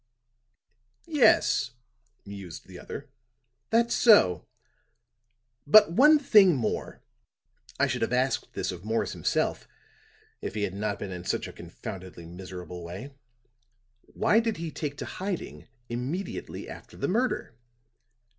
"Yes," mused the other, "that's so. But, one thing more. I should have asked this of Morris himself if he had not been in such a confoundedly miserable way. Why did he take to hiding immediately after the murder?"